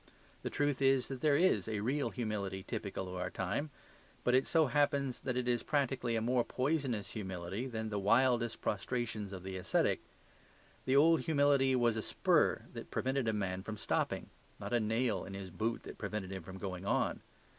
The truth is that there is a real humility typical of our time; but it so happens that it is practically a more poisonous humility than the wildest prostrations of the ascetic. The old humility was a spur that prevented a man from stopping; not a nail in his boot that prevented him from going on.